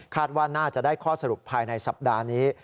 ว่าน่าจะได้ข้อสรุปภายในสัปดาห์นี้